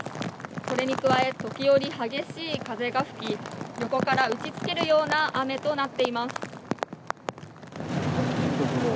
それに加え、時折激しい風が吹き横から打ち付けるような雨となっています。